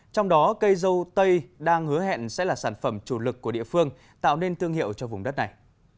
trong đó cây dâu tây đang hứa hẹn sẽ là sản phẩm chủ lực của địa phương tạo nên thương hiệu cho vùng đất này